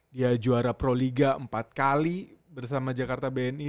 dia juara pro liga empat kali bersama jakarta bni